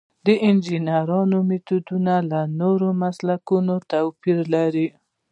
د انجنیری میتودونه له نورو مسلکونو توپیر لري.